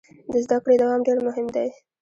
د زده کړې دوام ډیر مهم دی.